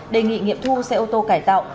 đề nghị nghiệm thu xe ô tô cải tạo